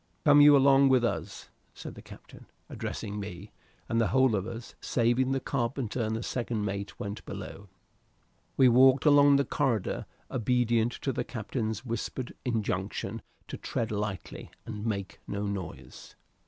"Come you along with us," said the captain, addressing me, and the whole of us, saving the carpenter and second mate, went below. We walked along the corridor obedient to the captain's whispered injunction to tread lightly, and make no noise.